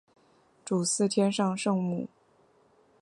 主祀天上圣母。